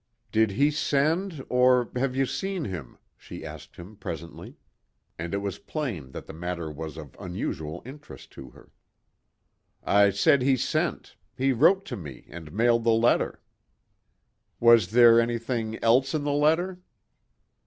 "Did he send, or have you seen him?" she asked him presently. And it was plain that the matter was of unusual interest to her. "I said he sent. He wrote to me and mailed the letter." "Was there anything else in the letter?"